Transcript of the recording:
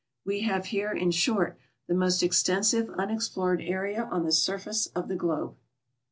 We have here, in short, the most extensive unexplored area on the surface of the globe.